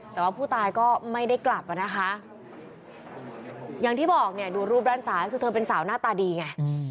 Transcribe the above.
แต่ว่าผู้ตายก็ไม่ได้กลับอ่ะนะคะอย่างที่บอกเนี่ยดูรูปด้านซ้ายคือเธอเป็นสาวหน้าตาดีไง